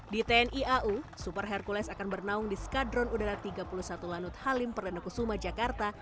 di tni au super hercules akan bernaung di skadron udara tiga puluh satu lanut halim perdana kusuma jakarta